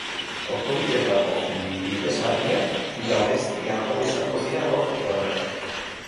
Autobideetako bidesariak garestiago izango dira gaurtik aurrera.